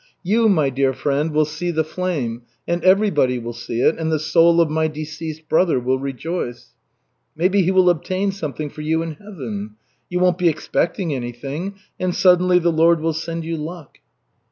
"You, my dear friend, will see the flame, and everybody will see it, and the soul of my deceased brother will rejoice. Maybe he will obtain something for you in Heaven. You won't be expecting anything and suddenly the Lord will send you luck."